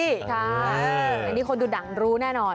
ใช่นี่คนดูหนังรู้แน่นอน